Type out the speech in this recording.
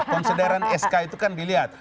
konsederan sk itu kan dilihat